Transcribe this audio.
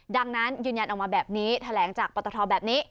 ดังนั้นยืนยันออกมาแบบนี้แถลงจากปตทแบบนี้